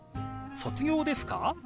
「卒業ですか？」。